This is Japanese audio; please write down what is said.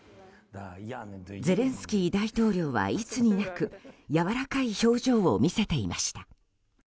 ゼレンスキー大統領はいつになく柔らかい表情を見せていました。